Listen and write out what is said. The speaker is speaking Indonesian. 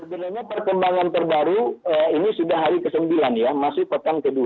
sebenarnya perkembangan terbaru ini sudah hari ke sembilan ya masih petang ke dua